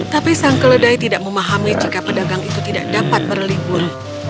tapi sang keledai tidak memahami jika pedagang itu tidak dapat berlibur